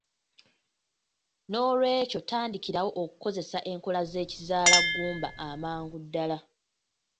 Noolwekyo tandikirawo okukozesa enkola z'ekizaalaggumba amangu ddala.